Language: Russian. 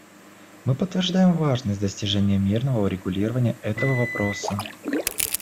Мы подтверждаем важность достижения мирного урегулирования этого вопроса.